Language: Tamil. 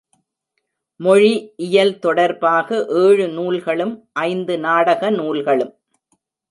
மொழி இயல் தொடர்பாக ஏழு நூல்களும், ஐந்து நாடக நூல்களும்.